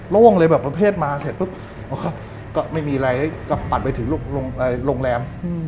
โล่งแบบประเภทมาแล้วก็ไม่มีอะไรก็บรรตี่หลีกลงแรม